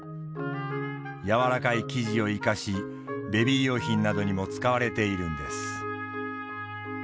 柔らかい生地を生かしベビー用品などにも使われているんです。